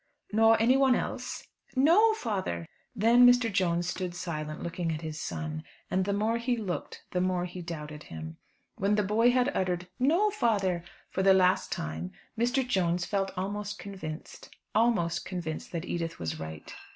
"Nor anyone else?" "No, father." Then Mr. Jones stood silent, looking at his son. And the more he looked the more he doubted him. When the boy had uttered "No, father," for the last time, Mr. Jones felt almost convinced almost convinced that Edith was right.